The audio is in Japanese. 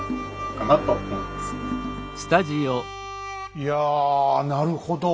いやなるほど。